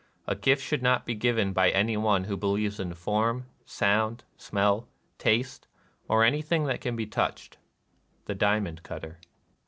... A gift should not be given by any one Avho believes in form, sound, smell, taste, or anything that can be touched." — The Diamond Cutter.